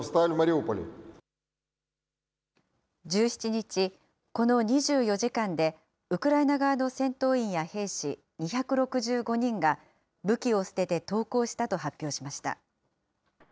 １７日、この２４時間で、ウクライナ側の戦闘員や兵士２６５人が、武器を捨てて投降したと発表しました。